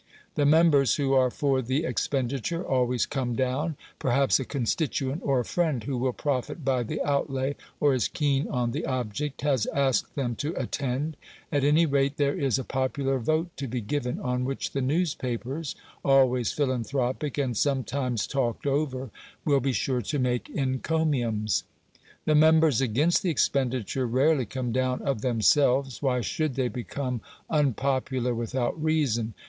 The members who are for the expenditure always come down; perhaps a constituent or a friend who will profit by the outlay, or is keen on the object, has asked them to attend; at any rate, there is a popular vote to be given, on which the newspapers always philanthropic, and sometimes talked over will be sure to make enconiums. The members against the expenditure rarely come down of themselves; why should they become unpopular without reason?